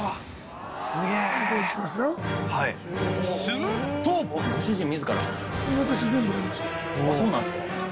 するとそうなんですか。